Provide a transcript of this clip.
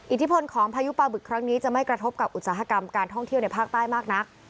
อิทธิพลของพายุปลาบึกครั้งนี้จะไม่กระทบกับอุตสาหกรรมการท่องเที่ยวในภาคใต้มากนัก